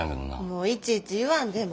もういちいち言わんでええ。